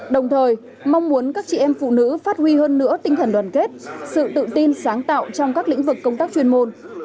đồng thời mong muốn các chị em phụ nữ phát huy hơn nữa tinh thần đoàn kết sự tự tin sáng tạo trong các lĩnh vực công tác chuyên môn